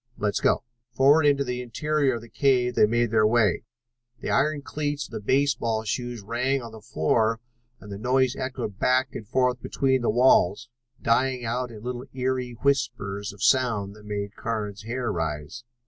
Let's go." Forward into the interior of the cave they made their way. The iron cleats of the baseball shoes rang on the floor and the noise echoed back and forth between the walls, dying out in little eerie whispers of sound that made Carnes' hair rise.